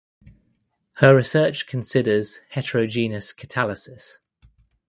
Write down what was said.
Her research considers heterogenous catalysis.